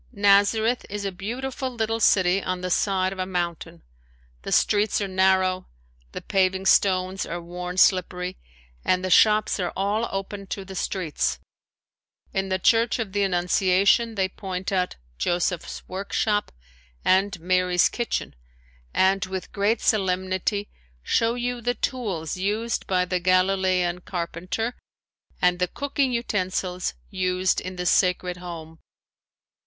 Nazareth is a beautiful little city on the side of a mountain. The streets are narrow, the paving stones are worn slippery, and the shops are all open to the streets. In the Church of the Annunciation they point out "Joseph's Workshop" and "Mary's Kitchen" and with great solemnity show you the tools used by the Galilean carpenter and the cooking utensils used in the sacred home.